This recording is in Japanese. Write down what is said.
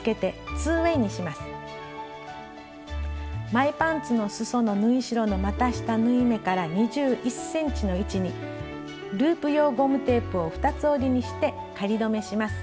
前パンツのすその縫い代のまた下縫い目から２１ｃｍの位置にループ用ゴムテープを二つ折りにして仮留めします。